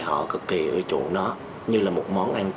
họ cực kỳ ưa chuộng nó như là một món ăn